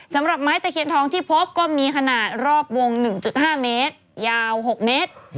สำหรับไม้ตะเคียนทองที่พบก็มีขนาดรอบวง๑๕เมตรยาว๖เมตร